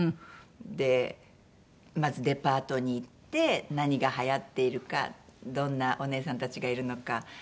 でまずデパートに行って何が流行っているかどんなお姉さんたちがいるのか。